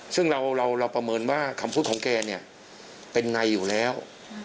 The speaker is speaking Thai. ซึ่งเราประเมินว่าคำพูดของแกเนี่ยเป็นในอยู่แล้ว